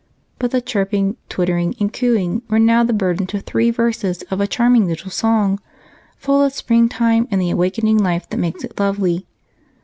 But the chirping, twittering, and cooing were now the burden to three verses of a charming little song, full of springtime and the awakening life that makes it lovely.